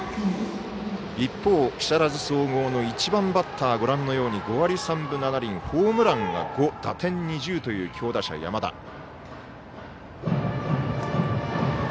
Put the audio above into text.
一方木更津総合の１番バッターは５割３分７厘、ホームランが５打点２０という強打者の山田。